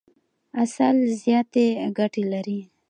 عسل زیاتي ګټي لري.